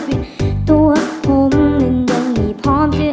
ปีนตัวผมนึงดังนั่งดีเยินความรู้สึก